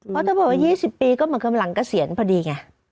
เพราะถ้าบอกว่า๒๐ปีก็เหมือนกับหลังเกษียณพอดีไง